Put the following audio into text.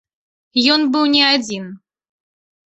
Ён быў не адзін.